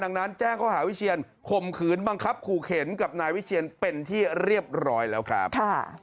ดังนั้นแจ้งข้อหาวิเชียนข่มขืนบังคับขู่เข็นกับนายวิเชียนเป็นที่เรียบร้อยแล้วครับ